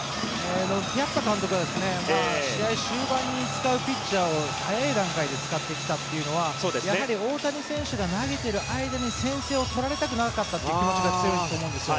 ピアザ監督が試合終盤に使うピッチャーを早い段階で使ってきたというのはやはり大谷選手が投げている間に先制をとられたくなかったという気持ちが強いんだと思うんですよ。